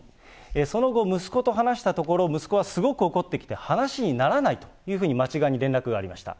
その後、息子と話したところ、息子はすごく怒っていました話にならないというふうに町側に連絡がありました。